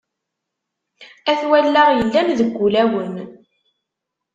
At wallaɣ yellan deg ul-awen.